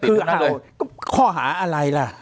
คือข้อหาอะไรล่ะ